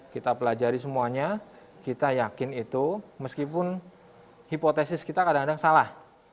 kita pelajari semuanya kita yakin itu meskipun hipotesis kita kadang kadang salah